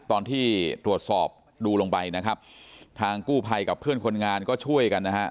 ตอนที่ตรวจสอบดูลงไปนะครับทางกู้ภัยกับเพื่อนคนงานก็ช่วยกันนะฮะ